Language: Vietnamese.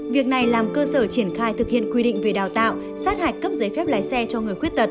việc này làm cơ sở triển khai thực hiện quy định về đào tạo sát hạch cấp giấy phép lái xe cho người khuyết tật